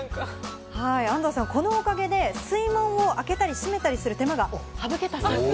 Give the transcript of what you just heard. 安藤さん、このおかげで水門を開けたり閉めたりする手間が省けたそうなんです。